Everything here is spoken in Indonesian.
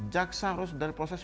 jaksa harus dari proses